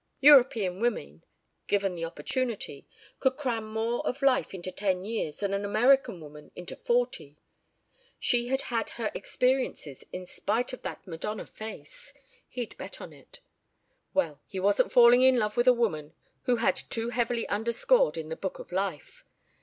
European women, given the opportunity, could cram more of life into ten years than an American woman into forty. She had had her experiences in spite of that madonna face; he'd bet on it. Well, he wasn't falling in love with a woman who had too heavily underscored in the book of life.